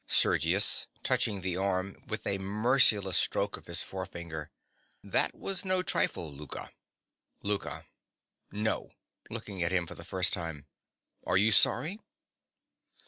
SERGIUS. (touching the arm with a merciless stroke of his forefinger). That was no trifle, Louka. LOUKA. No. (Looking at him for the first time.) Are you sorry?